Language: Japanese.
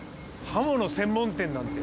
刃物専門店なんて。